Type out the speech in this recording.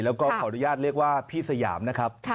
แล้วก็ขออนุญาตเรียกว่าพี่สยามนะครับ